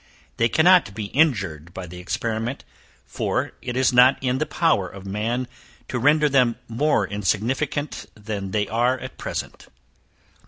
They cannot be injured by the experiment; for it is not in the power of man to render them more insignificant than they are at present.